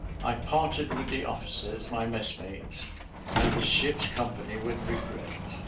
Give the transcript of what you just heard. I parted with the officers, my messmates, and the ship's company with regret.